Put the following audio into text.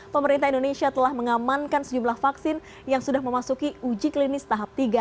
pemerintah indonesia telah mengamankan sejumlah vaksin yang sudah memasuki uji klinis tahap tiga